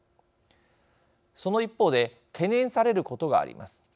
その一方で懸念されることがあります。